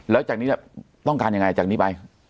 แล้วจากนี้ต้องการยังไงจากนี้ไป